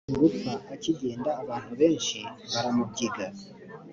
gupfa akigenda abantu benshi baramubyiga